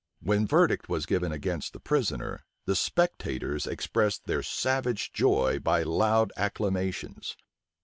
When verdict was given against the prisoner, the spectators expressed their savage joy by loud acclamations.